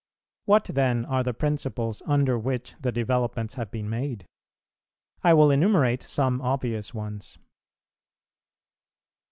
What then are the principles under which the developments have been made? I will enumerate some obvious ones.